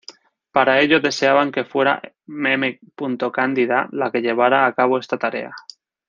Para ello deseaban que fuera M. Cándida la que llevara a cabo esta tarea.